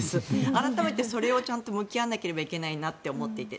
改めてそれをちゃんと向き合わなきゃいけないなと思っていて。